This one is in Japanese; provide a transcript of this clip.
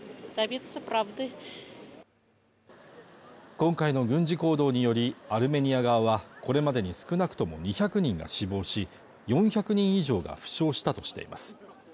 今回の軍事行動によりアルメニア側はこれまでに少なくとも２００人が死亡し４００人以上が負傷したとしています